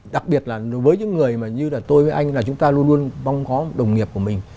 đặc biệt là đối với những người mà như là tôi với anh là chúng ta luôn luôn mong có đồng nghiệp của mình